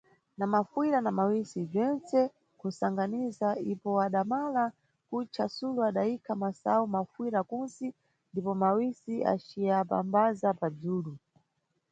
Na mafuyira na mawisi, bzense nʼkumbasangabiza, ipo wadamala kutca, Sulo adayikha masayu nafuyira kunsi, ndipo mawisi aciyapamphaza padzulu.